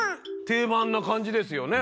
定番な感じですよね。